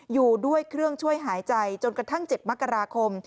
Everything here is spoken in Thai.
อยู่ด้วยเครื่องช่วยหายใจจนกระทั่ง๗มกราคม